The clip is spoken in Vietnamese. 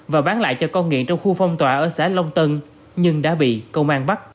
và bán lại cho con nghiện trong khu phong tỏa ở xã long tân nhưng đã bị công an bắt